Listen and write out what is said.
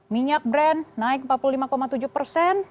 minyak brand naik empat puluh lima tujuh persen